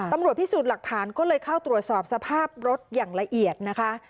ตำรวจพิสูจน์หลักฐานก็เลยเข้าตรวจสอบสภาพรถอย่างละเอียดนะคะ